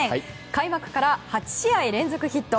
開幕から８試合連続ヒット。